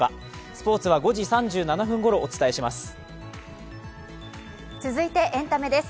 スポーツは５時３７分ごろお伝えします。